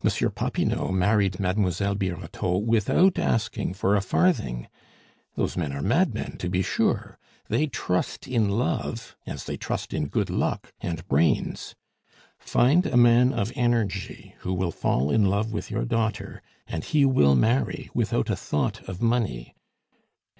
Monsieur Popinot married Mademoiselle Birotteau without asking for a farthing. Those men are madmen, to be sure! They trust in love as they trust in good luck and brains! Find a man of energy who will fall in love with your daughter, and he will marry without a thought of money.